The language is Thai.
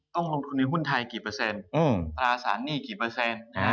ต้องลงทุนในหุ้นไทยกี่เปอร์เซ็นต์ตราสารหนี้กี่เปอร์เซ็นต์